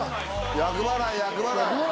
厄払い厄払い。